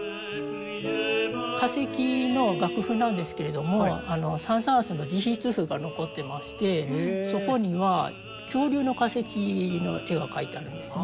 「化石」の楽譜なんですけれどもサン・サーンスの直筆譜が残ってましてそこには恐竜の化石の絵が描いてあるんですね。